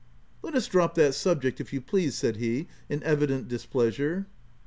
" Let us drop that subject if you please," said he in evident displeasure.